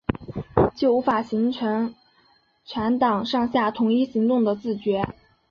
就无法形成全党上下统一行动的自觉